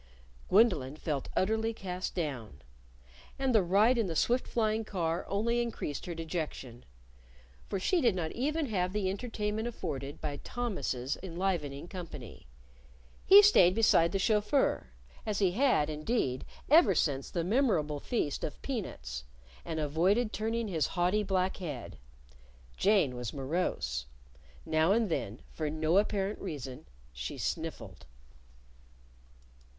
Gwendolyn felt utterly cast down. And the ride in the swift flying car only increased her dejection. For she did not even have the entertainment afforded by Thomas's enlivening company. He stayed beside the chauffeur as he had, indeed, ever since the memorable feast of peanuts and avoided turning his haughty black head. Jane was morose. Now and then, for no apparent reason, she sniffled.